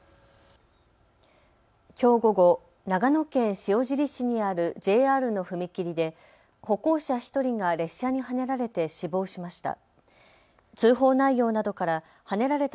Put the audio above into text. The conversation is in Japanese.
きょう午後、長野県塩尻市にあるＪＲの踏切で歩行者１人が列車にはねられて死亡しました。